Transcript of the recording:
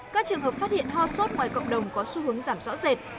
các trường hợp phát hiện ho sốt ngoài cộng đồng có xu hướng giảm rõ rệt